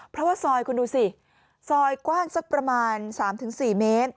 เพราะว่าซอยคุณดูสิซอยกว้างสักประมาณ๓๔เมตร